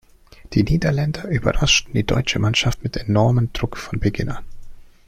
Die Niederländer überraschten die deutsche Mannschaft mit enormen Druck von Beginn an.